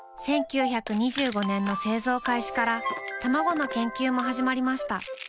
１９２５年の製造開始からたまごの研究もはじまりました。